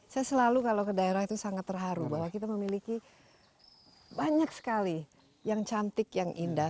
saya selalu kalau ke daerah itu sangat terharu bahwa kita memiliki banyak sekali yang cantik yang indah